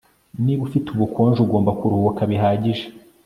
Niba ufite ubukonje ugomba kuruhuka bihagije